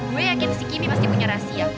gue yakin si kimi pasti punya rahasia